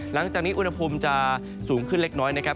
หลังจากนี้อุณหภูมิจะสูงขึ้นเล็กน้อยนะครับ